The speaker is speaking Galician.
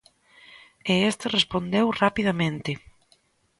E este respondeu rapidamente.